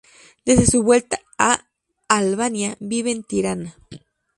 Desde su vuelta a Albania, vive en Tirana.